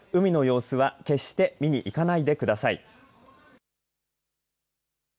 海の様子は決して見に行かないでください。